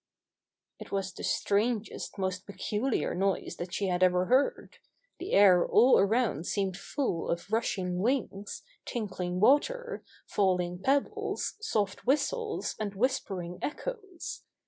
It was the strangest, most peculiar noise that she had ever heard. The air all around seemed full of rushing wings, tinkling water, falling pebbles, soft whistles and whispering echoes.